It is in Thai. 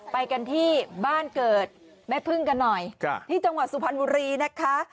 ไปกันที่บ้านเกิดแม่พึ่งกันหน่อยที่จังหวัดสุพรรณบุรีนะคะ